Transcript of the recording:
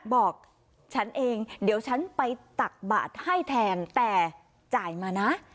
บอกฉันเองเดี๋ยวฉันไปตักบาทให้แทนแต่จ่ายมานะ